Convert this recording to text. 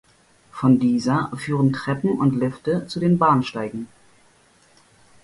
Von dieser führen Treppen und Lifte zu den Bahnsteigen.